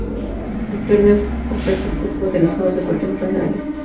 El torneo ofrece cupo a los Juegos Deportivos Nacionales.